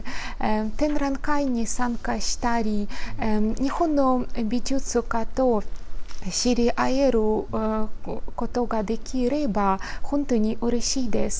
展覧会に参加したり、日本の美術家と知り合えることができれば、本当にうれしいです。